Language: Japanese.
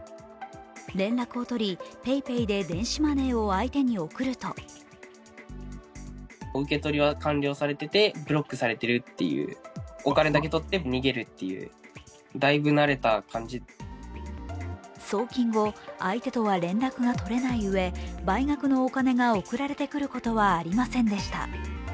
連絡を取り、ＰａｙＰａｙで電子マネーを相手に送ると送金後、相手とは連絡が取れないうえ、倍額のお金が送られてくることはありませんでした。